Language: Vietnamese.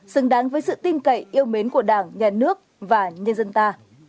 xứng đáng với sự tin cậy yêu mến của đảng nhà nước và nhân dân ta